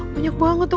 banyak banget tuh